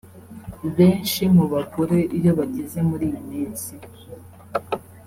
Benshi mu bagore iyo bageze muri iyi minsi